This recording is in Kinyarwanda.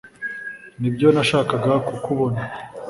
Nibyo nashakaga kukubona